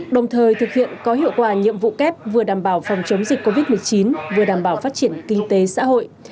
đồng thời thực hiện có hiệu quả nhiệm vụ kép vừa đảm bảo phòng chống dịch covid một mươi chín vừa đảm bảo phát triển kinh tế xã hội